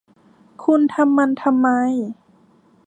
คุณทำมันทำไม